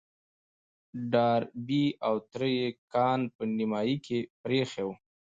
ډاربي او تره يې کان په نيمايي کې پرېيښی و.